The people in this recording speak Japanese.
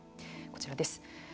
こちらです。